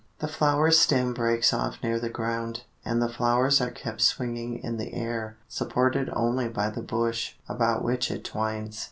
The flower stem breaks off near the ground, and the flowers are kept swinging in the air supported only by the bush about which it twines.